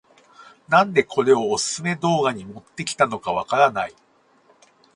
なんでこれをオススメ動画に持ってきたのかわからない